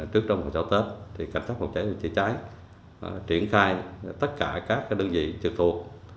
trước trong mùa sầu tết cảnh sát phòng cháy chữa cháy triển khai tất cả các đơn vị trực thuộc